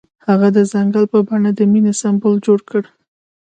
هغه د ځنګل په بڼه د مینې سمبول جوړ کړ.